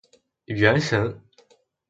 原神